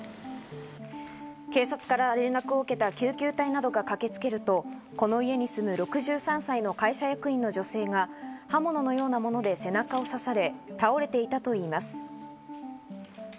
警察から連絡を受けた救急隊などが駆けつけると、この家に住む６３歳の会社役員の女性が刃物のようなもので背中を刺され倒れていたといいます。